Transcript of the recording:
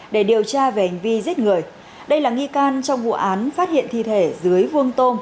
để điều tra về hành vi giết người đây là nghi can trong vụ án phát hiện thi thể dưới vuông tôm